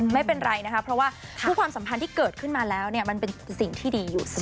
ไม่เป็นไรนะคะเพราะว่าทุกความสัมพันธ์ที่เกิดขึ้นมาแล้วเนี่ยมันเป็นสิ่งที่ดีอยู่เสมอ